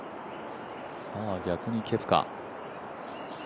逆にケプカ。